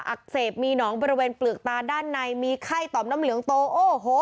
อักเสบมีหนองบริเวณเปลือกตาด้านในมีไข้ต่อมน้ำเหลืองโตโอ้โห